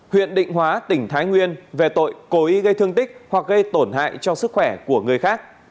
huyện định hóa tỉnh thái nguyên về tội cố ý gây thương tích hoặc gây tổn hại cho sức khỏe của người khác